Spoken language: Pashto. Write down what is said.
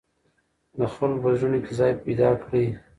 د خلکو په زړونو کې ځای پیدا کړئ.